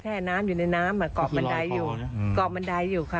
น้ำอยู่ในน้ำอ่ะเกาะบันไดอยู่เกาะบันไดอยู่ค่ะ